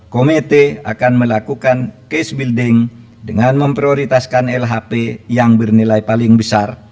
komite akan melakukan case building dengan memprioritaskan lhp yang bernilai paling besar